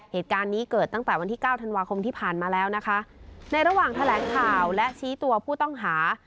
เหตุการณ์นี้เกิดตั้งแต่วันที่เก้าธันวาคมที่ผ่านมาแล้วนะคะในระหว่างแถลงข่าวและชี้ตัวผู้ต้องหา